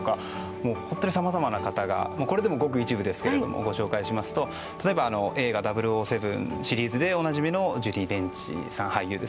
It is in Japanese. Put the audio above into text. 本当にさまざまな方がこれでも極一部ですがご紹介しますと例えば、映画「００７」シリーズでおなじみのジュディ・デンチさん。